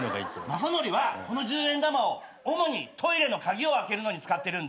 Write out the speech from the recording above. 雅紀はこの１０円玉を主にトイレの鍵を開けるのに使ってるんだ。